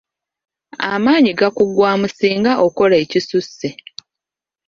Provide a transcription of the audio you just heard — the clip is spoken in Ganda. Amaanyi gakuggwaamu singa okola ekisusse.